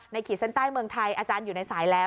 ขีดเส้นใต้เมืองไทยอาจารย์อยู่ในสายแล้ว